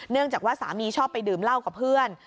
จากว่าสามีชอบไปดื่มเหล้ากับเพื่อน